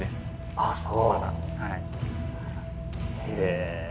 ああそう！